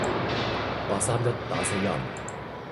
八三一打死人